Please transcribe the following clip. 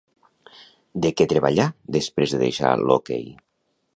De què treballà després de deixar l'hoquei?